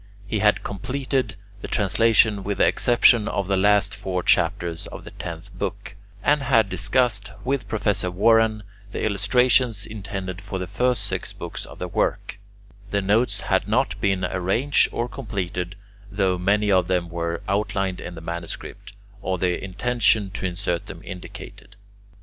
He had completed the translation, with the exception of the last four chapters of the tenth book, and had discussed, with Professor Warren, the illustrations intended for the first six books of the work; the notes had not been arranged or completed, though many of them were outlined in the manuscript, or the intention to insert them indicated.